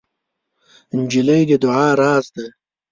نجلۍ د دعا راز ده.